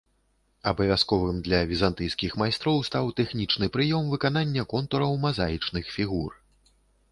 Абавязковым для візантыйскіх майстроў стаў тэхнічны прыём выканання контураў мазаічных фігур.